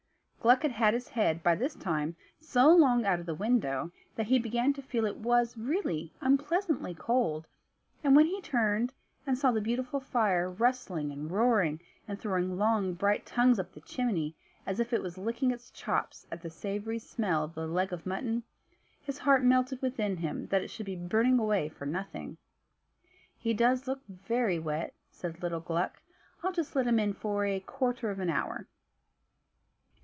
Gluck had had his head, by this time, so long out of the window that he began to feel it was really unpleasantly cold, and when he turned, and saw the beautiful fire rustling and roaring, and throwing long bright tongues up the chimney, as if it were licking its chops at the savory smell of the leg of mutton, his heart melted within him that it should be burning away for nothing. "He does look very wet," said little Gluck; "I'll just let him in for a quarter of an hour."